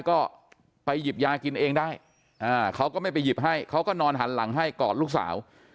ก็ไปหยิบยากินเองได้เขาก็ไม่ไปหยิบให้เขาก็นอนหันหลังให้กอดลูกสาว